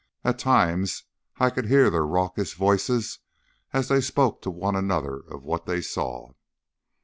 At times I could hear their raucous voices as they spoke to one another of what they saw.